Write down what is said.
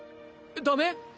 ダメ？